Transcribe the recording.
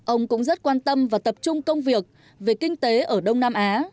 ông cũng rất quan tâm và tập trung công việc về kinh tế ở đông nam á